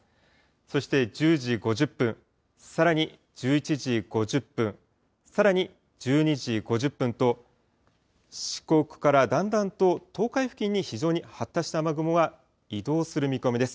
そして１０時５０分、さらに１１時５０分、さらに１２時５０分と、四国からだんだんと東海付近に非常に発達した雨雲が移動する見込みです。